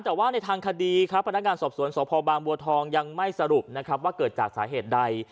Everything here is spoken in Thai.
แต่ว่าในทางคดีครับพนักงานสอบสวนสพบางบัวทองยังไม่สรุปนะครับว่าเกิดจากสาเหตุใด